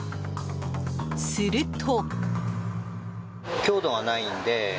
すると。